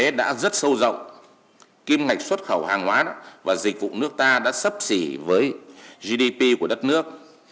kinh tế đã rất sâu rộng kim ngạch xuất khẩu hàng hóa và dịch vụ nước ta đã sấp xỉ với gdp của đất nước